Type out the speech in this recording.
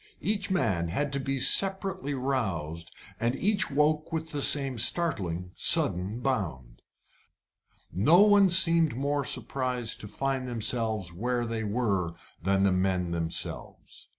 Each man had to be separately roused, and each woke with the same startling, sudden bound. No one seemed more surprised to find themselves where they were than the men themselves.